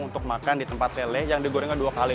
untuk makan di tempat tele yang digorengnya dua kali